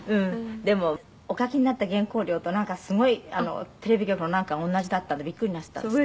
「でもお書きになった原稿料となんかすごいテレビ局のなんかが同じだったんでビックリなすったんですって？」